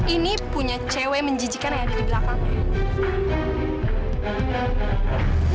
ini punya cewek menjijikan yang ada di belakangnya